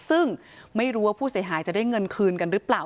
ซึ่งไม่รู้ว่าผู้เสียหายจะได้เงินคืนกันหรือเปล่า